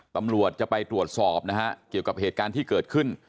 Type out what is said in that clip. ตำรวจจะไปตรวจสอบนะฮะเกี่ยวกับเหตุการณ์ที่เกิดขึ้น